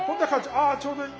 ああちょうどいい。